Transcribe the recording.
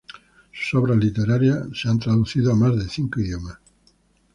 Sus obras literarias han sido traducidas a más de cinco idiomas.